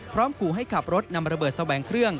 ขู่ให้ขับรถนำระเบิดแสวงเครื่อง